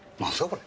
これ。